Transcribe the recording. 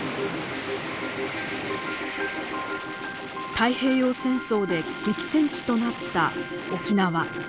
太平洋戦争で激戦地となった沖縄。